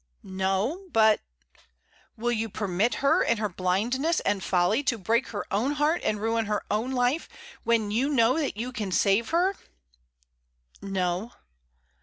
"No; but " "Will you permit her, in her blindness and folly, to break her own heart and ruin her own life, when you know that you can save her?" "No."